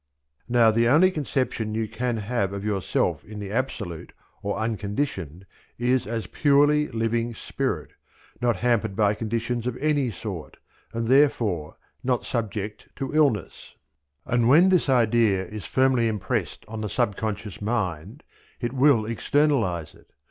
Now the only conception you can have of_ yourself_ in the absolute, or unconditioned, is as purely living Spirit, not hampered by conditions of any sort, and therefore not subject to illness; and when this idea is firmly impressed on the sub conscious mind, it will externalize it.